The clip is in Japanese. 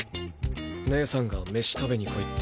姉さんが飯食べに来いって。